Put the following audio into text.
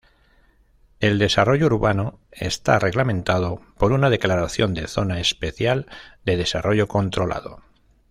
El desarrollo urbano está reglamentado por una declaración de Zona Especial de Desarrollo Controlado.